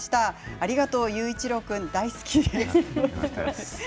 ありがとう、佑一郎君大好きです。